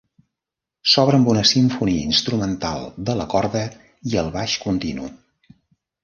S’obre amb una simfonia instrumental de la corda i el baix continu.